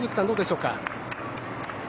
どうでしょうか。